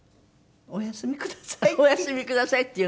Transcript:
「お休みください」って。